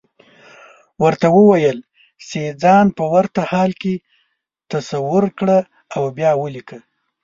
ورته وويل چې ځان په ورته حال کې تصور کړه او بيا وليکه.